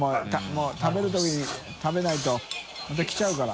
發食べるときに食べないとまた来ちゃうから。